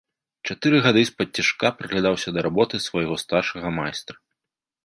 Чатыры гады спадцішка прыглядаўся да работы свайго старшага майстра.